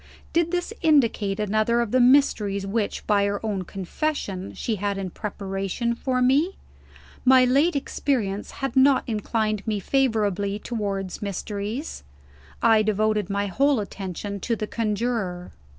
Did this indicate another of the mysteries which, by her own confession, she had in preparation for me? My late experience had not inclined me favorably towards mysteries. I devoted my whole attention to the Conjurer.